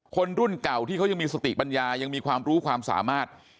คนรุ่นเก่าที่เขายังมีสติปัญญายังมีความรู้ความสามารถ